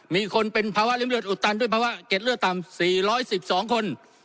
มีคนเป็นภาวะริมเลือดอุดตันด้วยภาวะเก็ดเลือดต่ำ๔๑๒คน